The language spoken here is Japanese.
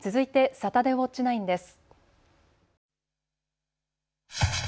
サタデーウオッチ９です。